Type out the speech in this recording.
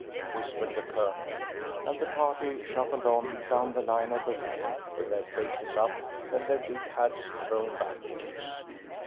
whispered the Colonel, and the party shuffled on down the line of the wall with their faces up and their big hats thrown backwards.